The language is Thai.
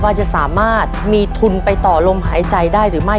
ว่าจะสามารถมีทุนไปต่อลมหายใจได้หรือไม่